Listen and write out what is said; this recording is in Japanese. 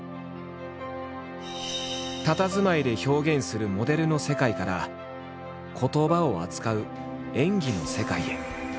たたずまいで表現するモデルの世界から言葉を扱う演技の世界へ。